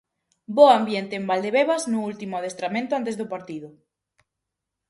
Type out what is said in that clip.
Bo ambiente en Valdebebas no último adestramento antes do partido.